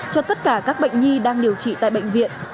cho tất cả các bệnh nhi đang điều trị tại bệnh viện